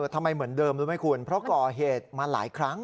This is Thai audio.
ทำไมเหมือนเดิมรู้ไหมคุณเพราะก่อเหตุมาหลายครั้ง